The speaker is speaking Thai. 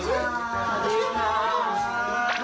สวัสดีค่ะ